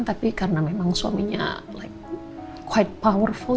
tapi karena memang suaminya like quite powerful